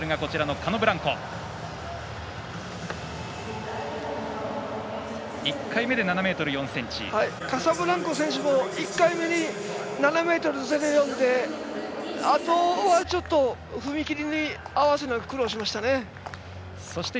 カノブランコ選手も１回目に７ｍ０４で、あとはちょっと踏み切りに合わせるのを苦労しましたね。